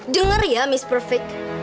dengar ya miss perfect